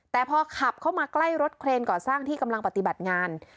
แต่พอขับเข้ามาใกล้รถเครนก่อสร้างที่กำลังปฏิบัติงาน